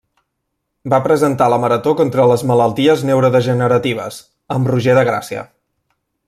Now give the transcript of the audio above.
Va presentar la Marató contra les malalties neurodegeneratives, amb Roger de Gràcia.